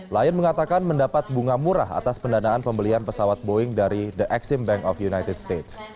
lion mengatakan mendapat bunga murah atas pendanaan pembelian pesawat boeing dari the exim bank of united states